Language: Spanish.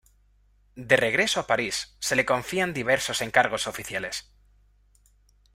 De regreso a París, se le confían diversos encargos oficiales.